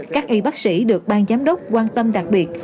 các y bác sĩ được ban giám đốc quan tâm đặc biệt